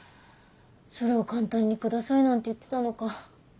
それを簡単に「下さい」なんて言ってたのか。